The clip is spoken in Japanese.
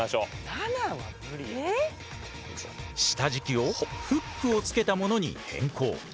下じきをフックをつけたものに変更。